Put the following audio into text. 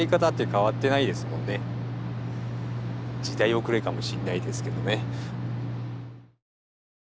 時代遅れかもしんないですけどね。